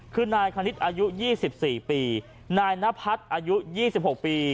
คือนายคณิตอายุ๒๔ปีนายนพัฒน์อายุ๒๖ปี